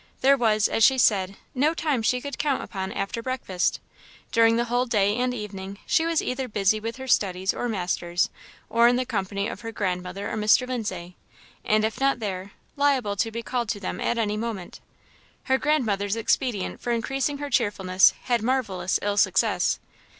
There was, as she said, no time she could count upon after breakfast. During the whole day and evening she was either busy with her studies or masters, or in the company of her grandmother or Mr. Lindsay; and if not there, liable to be called to them at any moment. Her grandmother's expedient for increasing her cheerfulness had marvellous ill success.